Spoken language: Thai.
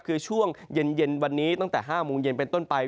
คือช่วงเย็นวันนี้ตั้งแต่๕โมงเย็นเป็นต้นไป